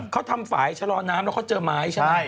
เขาทำฝ่ายชะลอน้ำแล้วเขาเจอไม้ใช่ไหม